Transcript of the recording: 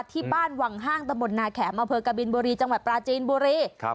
ที่บ้านวังห้างตะบลนาแขมอำเภอกบินบุรีจังหวัดปราจีนบุรี